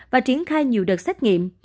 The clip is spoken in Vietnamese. và triển khai nhiều đợt xét nghiệm